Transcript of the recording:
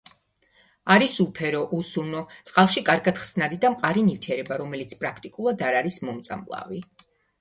არის უფერო, უსუნო, წყალში კარგად ხსნადი და მყარი ნივთიერება, რომელიც პრაქტიკულად არ არის მომწამლავი.